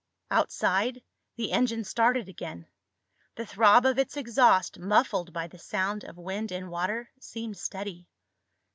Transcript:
Outside, the engine started again. The throb of its exhaust, muffled by the sound of wind and water, seemed steady.